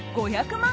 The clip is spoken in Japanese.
５００万